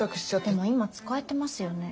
でも今使えてますよね？